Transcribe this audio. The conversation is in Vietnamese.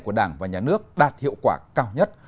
của đảng và nhà nước đạt hiệu quả cao nhất